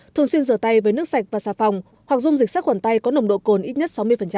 thường xuyên rửa tay với nước sạch và xà phòng hoặc dùng dịch sắc khoản tay có nồng độ cồn ít nhất sáu mươi